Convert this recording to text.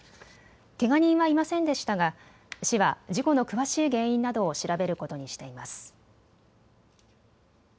けが人はいませんでしたが市は事故の詳しい原因などを調べることにしています。